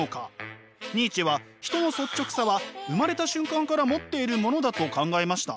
ニーチェは人の率直さは生まれた瞬間から持っているものだと考えました。